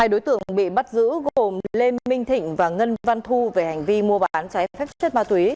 hai đối tượng bị bắt giữ gồm lê minh thịnh và ngân văn thu về hành vi mua bán trái phép chất ma túy